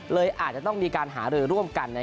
เลยอาจจะต้องมีการหารือร่วมกัน